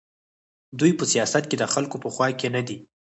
دوی په سیاست کې د خلکو په خوا کې نه دي.